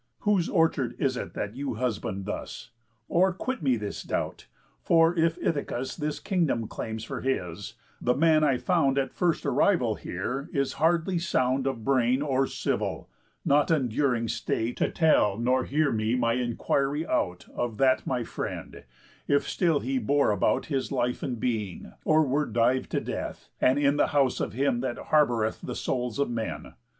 Whose orchard is it that you husband thus? Or quit me this doubt, for if Ithacus This kingdom claims for his, the man I found At first arrival here is hardly sound Of brain or civil, not enduring stay To tell nor hear me my inquiry out Of that my friend, if still he bore about His life and being, or were div'd to death, And in the house of him that harboureth The souls of men.